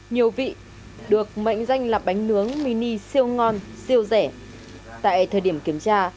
nhiều vị được mệnh danh là bánh nướng mini siêu ngon siêu rẻ tại thời điểm kiểm tra